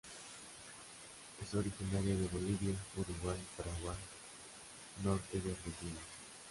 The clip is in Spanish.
Es originaria de Bolivia, Uruguay, Paraguay, norte de Argentina.